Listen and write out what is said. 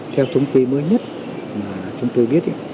theo thông tin mới nhất mà chúng tôi biết